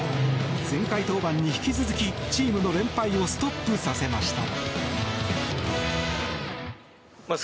前回登板に引き続きチームの連敗をストップさせました。